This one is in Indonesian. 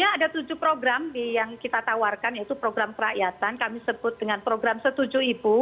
ya ada tujuh program yang kita tawarkan yaitu program kerakyatan kami sebut dengan program setuju ibu